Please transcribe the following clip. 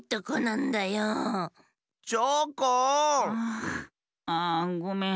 ああごめん。